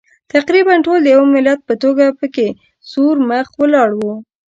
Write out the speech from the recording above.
تقریباً ټول د یوه ملت په توګه پکې سور مخ ولاړ وو.